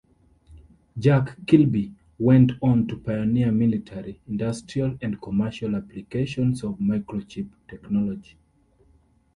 Jack Kilby went on to pioneer military, industrial, and commercial applications of microchip technology.